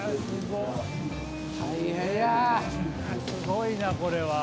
すごいなこれは。